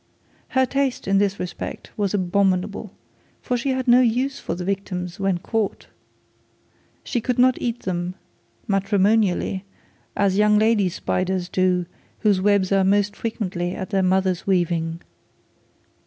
Her taste in this respect was abominable, for she had no use for the victims when caught. She could not eat them matrimonially as young lady flies do whose webs are most frequently of their mother's weaving.